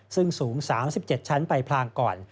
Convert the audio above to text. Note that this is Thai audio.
ซึ่งสูง๓๗ชั้นไปพลางก่อน